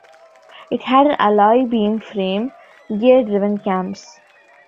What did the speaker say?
It had an alloy beam frame, gear driven cams.